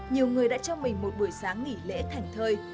nhiều người đã cho mình một buổi sáng nghỉ lễ thành thơi